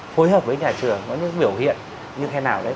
phối hợp với nhà trường có những biểu hiện như thế nào đấy